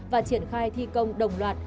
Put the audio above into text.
và triển khai thi công đồng loạt